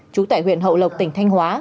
chú tại huyện hậu lộc tỉnh thanh hóa